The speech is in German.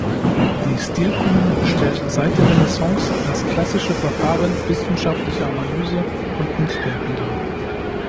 Die Stilkunde stellt seit der Renaissance das klassische Verfahren wissenschaftlicher Analyse von Kunstwerken dar.